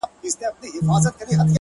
خو انسانان می لر او بر نه لګي